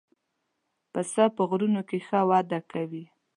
پسه په غرونو کې ښه وده کوي.